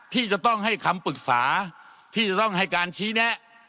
ที่จะต้องให้คำปรึกษาที่จะต้องให้การชี้แนะ